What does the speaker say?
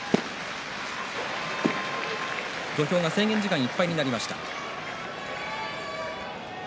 土俵が制限時間いっぱいになりました。